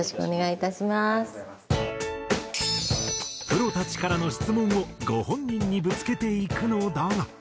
プロたちからの質問をご本人にぶつけていくのだが。